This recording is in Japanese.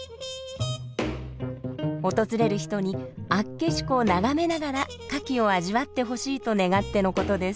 訪れる人に厚岸湖を眺めながらカキを味わってほしいと願ってのことです。